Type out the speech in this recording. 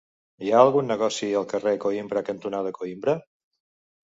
Hi ha algun negoci al carrer Coïmbra cantonada Coïmbra?